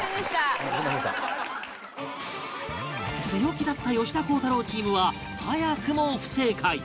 強気だった吉田鋼太郎チームは早くも不正解